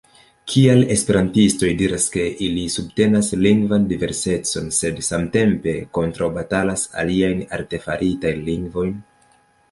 Kial esperantistoj diras, ke ili subtenas lingvan diversecon, sed samtempe kontraŭbatalas aliajn artefaritajn lingvojn?